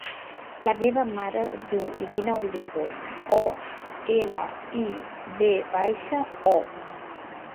La meva mare es diu Irina Olivo: o, ela, i, ve baixa, o.